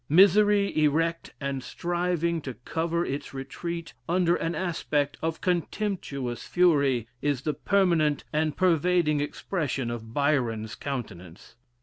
Misery erect, and striving to cover its retreat under an aspect of contemptuous fury, is the permanent and pervading expression of Byron's countenance.